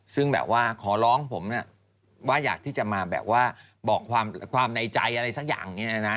ซึ่งแบบว่าขอร้องผมว่าอยากที่จะมาแบบว่าบอกความในใจอะไรสักอย่างนี้นะ